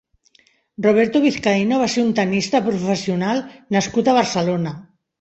Roberto Vizcaíno va ser un tennista professional nascut a Barcelona.